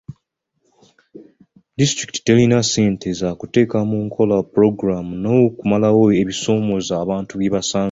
Disitulikiti terina ssente zakuteeka mu nkola pulogulaamu n'okumalawo ebisoomooza abantu bye basanga.